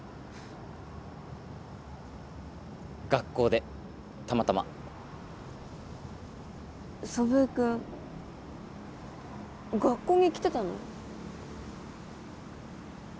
学校でたまたま祖父江君学校に来てたの？